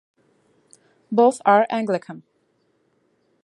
Both are Anglican.